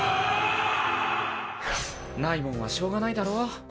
「ないもんはしょうがないだろ」